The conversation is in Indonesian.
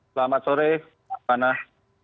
selamat sore pak nath